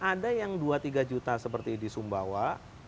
ada yang dua tiga juta seperti di sumbawa